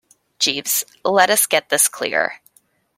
Jeeves, let us get this clear.